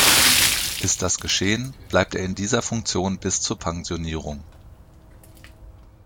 Ist das geschehen, bleibt er in dieser Funktion bis zur Pensionierung.